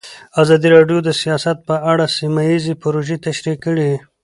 ازادي راډیو د سیاست په اړه سیمه ییزې پروژې تشریح کړې.